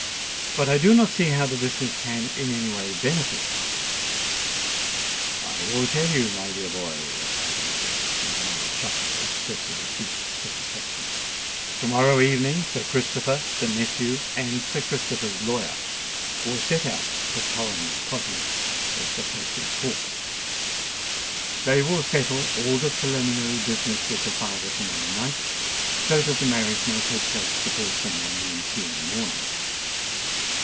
But I do not see how the business can in any way benefit us." "I will tell you, my dear boy," replied Old Death, with another chuckle expressive of deep satisfaction. "To morrow evening Sir Christopher, the nephew, and Sir Christopher's lawyer will set out for Torrens Cottage, as the place is called. They will settle all the preliminary business with the father to morrow night, so that the marriage may take place the first thing on the ensuing morning."